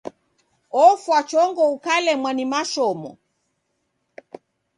Ofwa chongo ukalemwa ni mashomo.